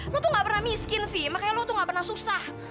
lo tuh nggak pernah miskin sih makanya lo tuh nggak pernah susah